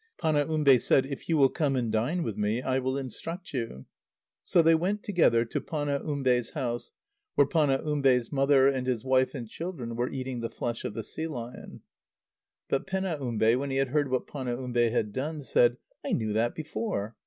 Panaumbe said: "If you will come and dine with me, I will instruct you." So they went together to Panaumbe's house, where Panaumbe's mother, and his wife and children, were eating the flesh of the sea lion. But Penaumbe, when he had heard what Panaumbe had done, said: "I knew that before."